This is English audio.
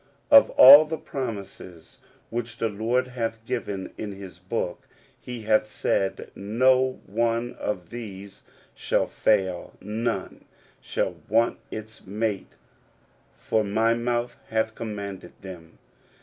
Of all the promises which the Lord hath given in his Book, he hath said, "No one of these shall fail, none shall want its mate, for my mouth hath commanded them."